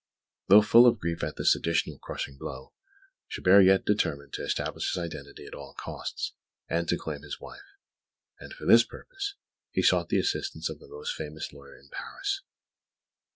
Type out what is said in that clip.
Though full of grief at this additional crushing blow, Chabert yet determined to establish his identity at all costs, and to claim his wife; and for this purpose he sought the assistance of the most famous lawyer in Paris.